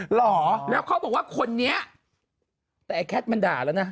เหรอแล้วเขาบอกว่าคนนี้แต่ไอ้แคทมันด่าแล้วนะ